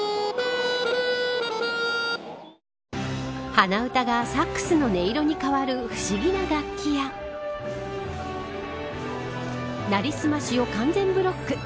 鼻歌がサックスの音色に変わる不思議な楽器や成りすましを完全ブロック。